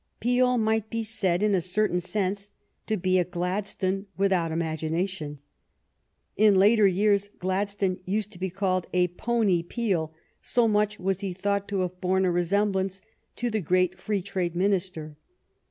Peel might be said in a certain sense to be a Gladstone without imagina tion. In later years Gladstone used to be called a pony Peel, so much was he thought to have borne a resemblance to the great free trade Min ister.